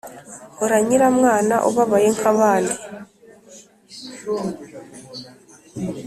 hora nyiramwana ubabaye nk’abandi